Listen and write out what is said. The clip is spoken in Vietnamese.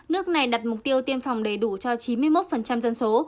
nước này đặt mục tiêu tiêm phòng đầy đủ cho chín mươi một dân số